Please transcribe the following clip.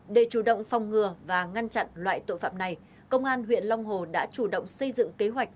để chủ động phòng ngừa và ngăn chặn loại tội phạm này công an huyện long hồ đã chủ động xây dựng kế hoạch